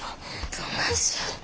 どないしよって。